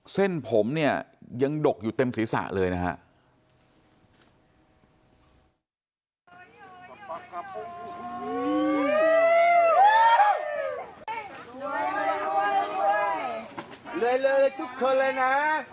เส้นผมเนี่ยยังดกอยู่เต็มศีรษะเลยนะฮะ